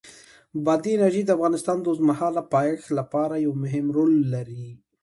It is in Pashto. بادي انرژي د افغانستان د اوږدمهاله پایښت لپاره یو مهم رول لري.